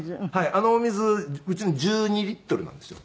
あのお水うちの１２リットルなんですよ。